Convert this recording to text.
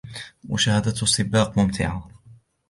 مشاهدة السباق ممتعة.